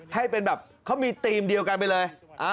ให้เป็นแบบเขามีธีมเดียวกันไปเลย